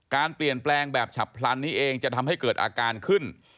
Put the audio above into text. การเปลี่ยนแปลงแบบฉับพลันนี้เองจะทำให้เกิดอาการขึ้น